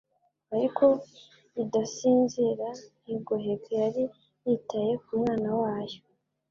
Ariko Idasinzira, ntigoheke yari yitaye ku Mwana wayo.